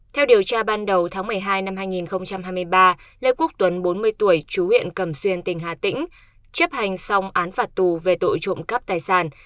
theo điều tra ban đầu tháng một mươi hai năm hai nghìn hai mươi ba lê quốc tuấn bốn mươi tuổi chú huyện cẩm xuyên tỉnh hà tĩnh chấp hành xong án phạt tù về tội trộm cắp tài sản